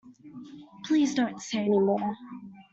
Please don't say any more.